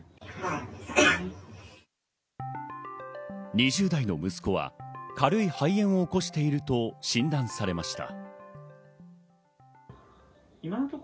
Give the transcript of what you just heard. ２０代の息子は軽い肺炎を起こしていると診断されました。